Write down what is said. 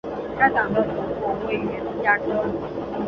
该党的总部位于芝加哥。